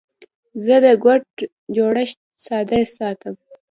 زه د کوډ جوړښت ساده ساتم.